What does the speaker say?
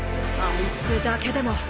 あいつだけでも。